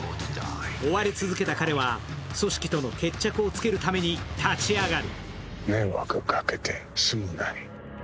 追われ続けた彼は組織との決着をつけるために立ち上がる。